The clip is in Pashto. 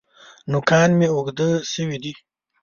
نوکان مي اوږده شوي دي .